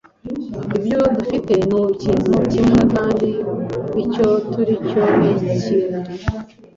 Ibyo dufite ni ikintu kimwe kandi icyo turi cyo ni ikindi